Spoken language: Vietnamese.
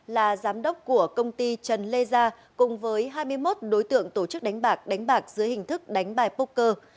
là giám đốc của công ty trần lê gia cùng với hai mươi một đối tượng tổ chức đánh bạc đánh bạc dưới hình thức đánh bài poker